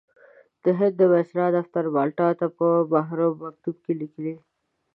د هند د وایسرا دفتر مالټا ته په محرم مکتوب کې لیکلي.